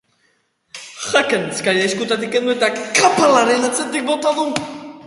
Jaka neskari eskuetatik kendu eta kapelaren atzetik bota du.